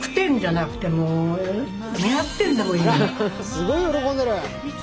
すごい喜んでる！